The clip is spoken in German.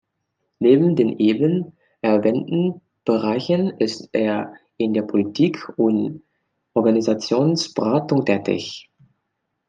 Neben den eben erwähnten Bereichen ist er in der Politik- und Organisationsberatung tätig.